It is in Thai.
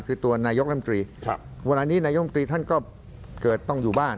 คือตัวนายกล้ามกรีวันนี้นายกล้ามกรีท่านก็เกิดต้องอยู่บ้าน